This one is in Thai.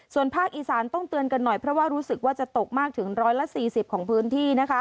ส่วนภาคอีสานต้องเตือนกันหน่อยเพราะว่ารู้สึกว่าจะตกมากถึง๑๔๐ของพื้นที่